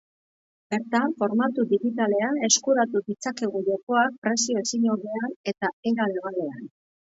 Bertan, formatu digitalean eskuratu ditzakegu jokoak prezio ezin hobean eta era legalean.